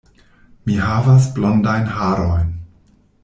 Mi havas blondajn harojn.